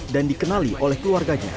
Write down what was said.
dan dikenali oleh keluarganya